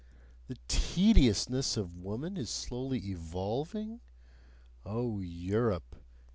The tediousness of woman is slowly evolving? Oh Europe!